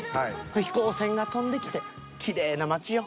飛行船が飛んできてきれいな街よ。